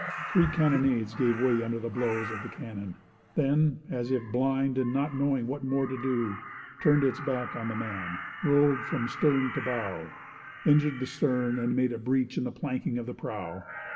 Three carronades gave way under the blows of the cannon; then, as if blind and not knowing what more to do, turned its back on the man, rolled from stern to bow, injured the stern and made a breach in the planking of the prow.